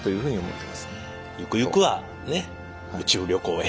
ゆくゆくはね宇宙旅行へ。